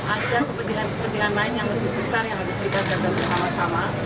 ada kepentingan kepentingan lain yang lebih besar yang harus kita jaga bersama sama